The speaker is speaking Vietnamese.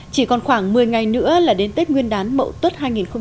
chỉ còn khoảng một mươi ngày nữa là đến tết nguyên đán mẫu tuất hai nghìn một mươi tám